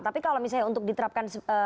tapi kalau misalnya untuk diterapkan